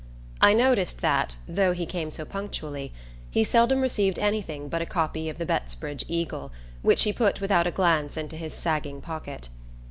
I noticed that, though he came so punctually, he seldom received anything but a copy of the Bettsbridge Eagle, which he put without a glance into his sagging pocket.